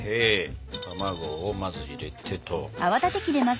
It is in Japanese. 卵をまず入れてと。